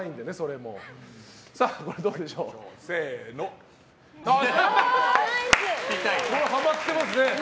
もうはまってますね。